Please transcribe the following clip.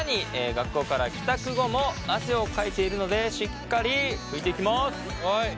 学校から帰宅後も汗をかいているのでしっかり拭いていきます。